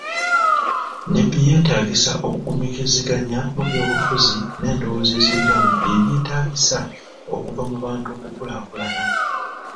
Nebbi yeetaagisa okugumiikiriziganya mu by'obufuzi n'endowooza ez'enjawulo bye byetaagisa okuva mu bantu okukulaakulana.